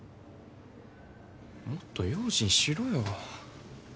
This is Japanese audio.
もっと用心しろよ。